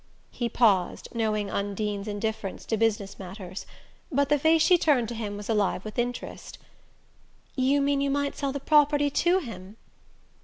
He paused, knowing Undine's indifference to business matters; but the face she turned to him was alive with interest. "You mean you might sell the property to him?"